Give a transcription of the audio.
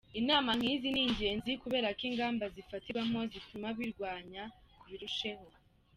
Inama nk’izi ni ingenzi kubera ko ingamba zifatirwamo zituma birwanywa biruseho."